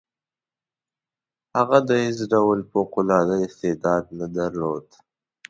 هغه د هیڅ ډول فوق العاده استعداد نه درلود.